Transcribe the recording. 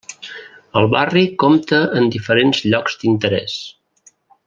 El barri compta en diferents llocs d'interés.